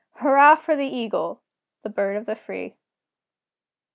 Hurrah for the Eagle, the Bird of the Free!